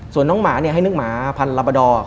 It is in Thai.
ส่วนน้องหมาเนี่ยให้นึกหมาพรรณรับประดอ